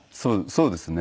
そうですね。